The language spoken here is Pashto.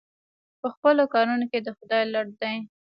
په خپلو کارونو کې د خدای لټ دی.